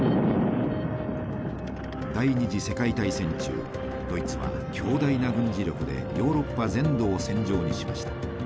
第二次世界大戦中ドイツは強大な軍事力でヨーロッパ全土を戦場にしました。